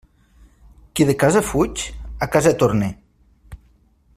Qui de casa fuig, a casa torne.